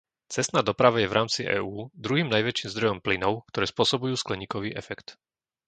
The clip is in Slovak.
Cestná doprava je v rámci EÚ druhým najväčším zdrojom plynov, ktoré spôsobujú skleníkový efekt.